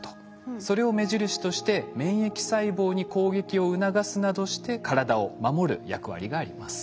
それを目印として免疫細胞に攻撃を促すなどして体を守る役割があります。